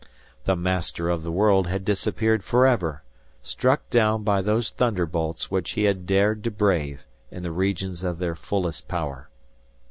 The Master of the World had disappeared forever, struck down by those thunder bolts which he had dared to brave in the regions of their fullest power.